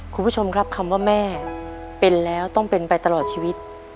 คุณผู้ชมครับคำว่าแม่เป็นแล้วต้องเป็นไปตลอดชีวิต